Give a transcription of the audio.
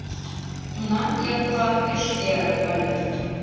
Тунам Якулан пеш эрык ыле.